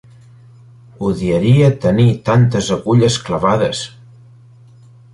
Odiaria tenir tantes agulles clavades!